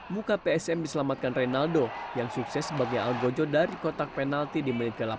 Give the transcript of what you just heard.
muka psm diselamatkan reynaldo yang sukses sebagai algojo dari kotak penalti di menit ke delapan belas